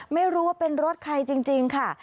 ไม่รู้ว่าเป็นรถใครจริงค่ะ